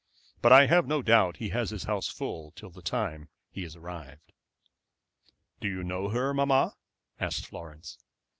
But I have no doubt he has his house full till the time he has named." "Do you know her, mamma?" asked Florence.